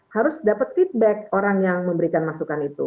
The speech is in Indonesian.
harus dapat feedback orang yang memberikan masukan itu